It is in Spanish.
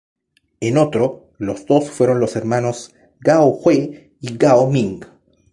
En otro, los dos fueron los hermanos Gao Jue y Gao Ming.